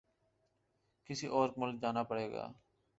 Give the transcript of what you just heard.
کسی اور ملک جانا پڑے گا